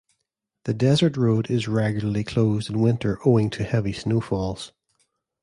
The Desert Road is regularly closed in winter owing to heavy snowfalls.